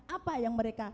apa yang mereka